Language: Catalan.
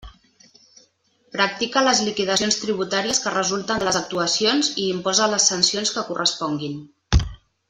Practica les liquidacions tributàries que resulten de les actuacions i imposa les sancions que corresponguin.